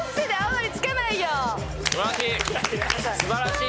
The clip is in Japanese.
素晴らしい！